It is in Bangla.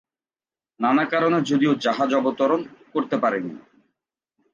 নানা কারণে যদিও জাহাজ অবতরণ করতে পারেনি।